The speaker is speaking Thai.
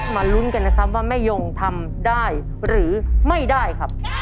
ลุ้นกันนะครับว่าแม่ยงทำได้หรือไม่ได้ครับ